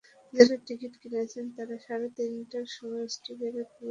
যাঁরা টিকিট কিনেছেন, তাঁরা সাড়ে তিনটার সময়ই স্টেডিয়ামে প্রবেশ করতে পারবেন।